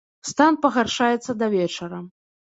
Стан пагаршаецца да вечара.